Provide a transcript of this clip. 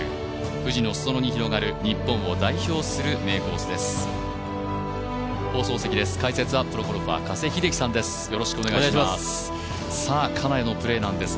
富士の裾野に広がる日本を代表する名コースです。